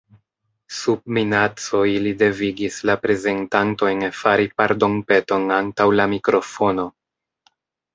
Sub minaco ili devigis la prezentantojn fari pardonpeton antaŭ la mikrofono.